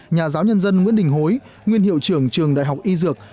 nhà giáo nhân dân nguyễn đình hối nguyên hiệu trưởng trường đại học y dược